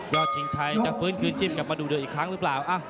ชิงชัยจะฟื้นคืนจิ้มกลับมาดูเดืออีกครั้งหรือเปล่า